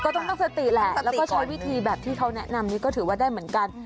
ต้องตั้งสติแหละแล้วก็ใช้วิธีแบบที่เขาแนะนำนี้ก็ถือว่าได้เหมือนกัน